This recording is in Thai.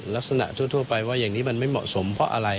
ลักษณะทั่วไปว่าอย่างนี้มันไม่เหมาะสมเพราะอะไร